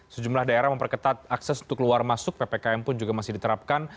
sejumlah daerah memperketat akses untuk keluar masuk ppkm pun juga masih diterapkan